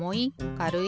かるい？